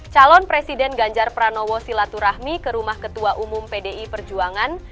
calon presiden ganjar pranowo silaturahmi ke rumah ketua umum pdi perjuangan